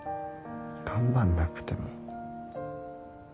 頑張んなくても。